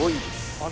あれ？